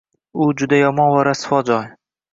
U juda yomon va rasvo joy.